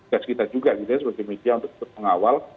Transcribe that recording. gas kita juga gitu ya sebagai media untuk mengawal